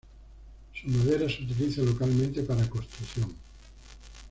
Su madera se utiliza localmente para construcción.